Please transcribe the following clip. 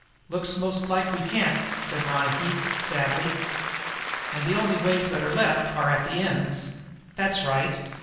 "Looks most like we can't," said Ronicky sadly. "And the only ways that are left are the ends." "That's right."